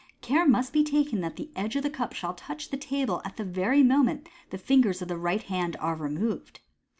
Care must be taken that the edge of the cup shall touch the table at the very moment that the fingers of the right hand are removed.